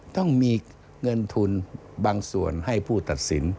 ต้องมีเงินทุนบางส่วนให้ผู้ตัดสิน